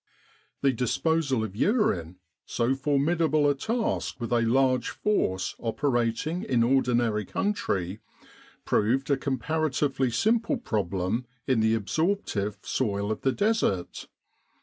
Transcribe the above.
The disposal of urine, so formidable a task with a large force operating in ordinary country, proved a comparatively simple problem in the absorptive soil of the Desert.